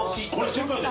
世界で。